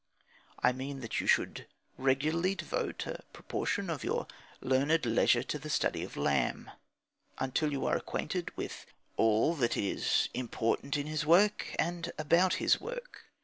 I mean that you should regularly devote a proportion of your learned leisure to the study of Lamb until you are acquainted with all that is important in his work and about his work.